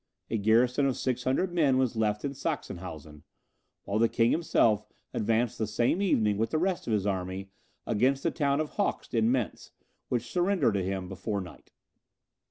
A garrison of 600 men was left in Saxenhausen; while the king himself advanced the same evening, with the rest of his army, against the town of Hoechst in Mentz, which surrendered to him before night.